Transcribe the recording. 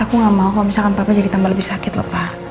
aku nggak mau kalau misalkan papa jadi tambah lebih sakit loh pak